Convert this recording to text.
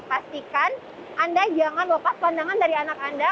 pastikan anda jangan lepas pandangan dari anak anda